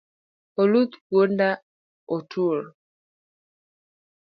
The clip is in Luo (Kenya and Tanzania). Oluth kuonda otur